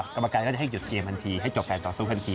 กรรมการก็จะให้หยุดเกมทันทีให้จบการต่อสู้ทันที